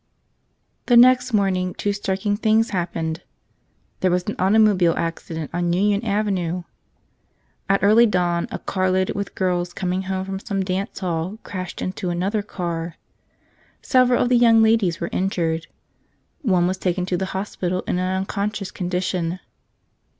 The next morning two striking things happened. There was an automobile accident on Union Avenue. At early dawn a car loaded with girls coming home from some dance hall crashed into another car. Several of the young ladies were injured. One was taken to the hospital in an unconscious condition.